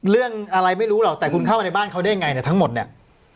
เรื่องอะไรไม่รู้หรอกแต่คุณเข้ามาในบ้านเขาได้ยังไงเนี่ยทั้งหมดเนี่ย